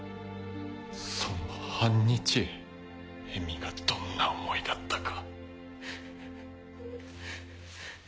その半日恵美がどんな思いだったか。